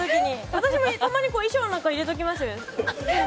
私も衣装の中に入れときます。